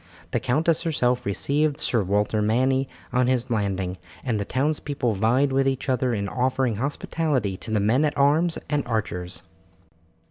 The countess herself received Sir Walter Manny on his landing, and the townspeople vied with each other in offering hospitality to the men at arms and archers.